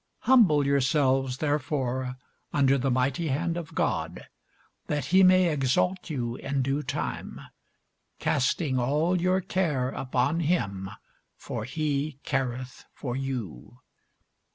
Humble yourselves therefore under the mighty hand of God, that he may exalt you in due time: casting all your care upon him; for he careth for you.